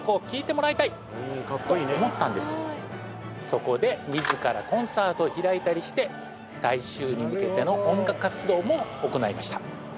そこで自らコンサートを開いたりして大衆に向けての音楽活動も行いました